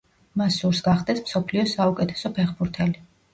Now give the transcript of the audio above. მას სურს გახდეს მსოფლიოს საუკეთესო ფეხბურთელი.